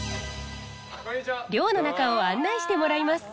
寮の中を案内してもらいます。